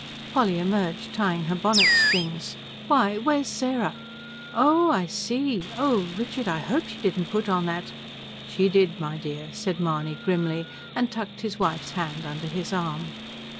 Polly emerged, tying her bonnet strings. "Why, where's Sarah? Oh ... I see. Oh, Richard, I hope she didn't put on that " "She did, my dear!" said Mahony grimly, and tucked his wife's hand under his arm.